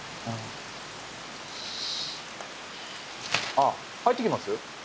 あっ入っていきます？